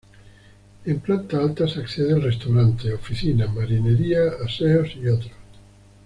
En planta alta se accede al Restaurante, Oficinas, Marinería, aseos y otros.